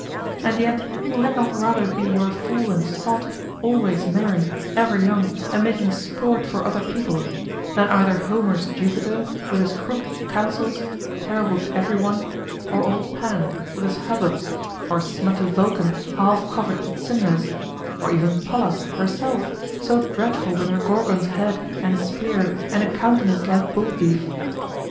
And yet, who had not rather be your fool and sot, always merry, ever young, and making sport for other people, than either Homer's Jupiter with his crooked counsels, terrible to everyone; or old Pan with his hubbubs; or smutty Vulcan half covered with cinders; or even Pallas herself, so dreadful with her Gorgon's head and spear and a countenance like bullbeef?